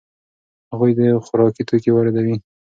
هغوی خوراکي توکي واردوي.